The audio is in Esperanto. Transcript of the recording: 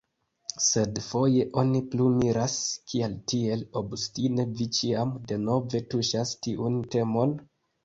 Sed, foje oni plu miras, kial tiel obstine vi ĉiam denove tuŝas tiun temon?